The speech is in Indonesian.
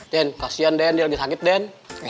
den kasian den dia lagi sakit den